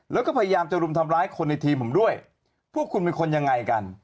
แล้วก็พยายามจะรุมทำร้ายคนในทีมผมด้วยพวกคุณเป็นคนยังไงกัน